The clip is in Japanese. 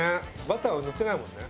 バターを塗ってないもんね？